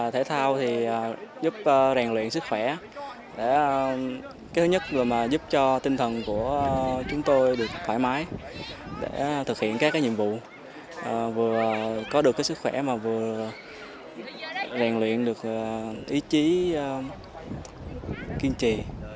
thể thao giúp rèn luyện sức khỏe giúp cho tinh thần của chúng tôi được thoải mái để thực hiện các nhiệm vụ vừa có được sức khỏe mà vừa rèn luyện được ý chí kiên trì